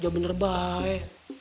jauh lebih baik